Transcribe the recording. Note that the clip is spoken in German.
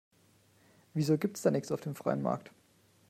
Wieso gibt's da nix auf dem freien Markt?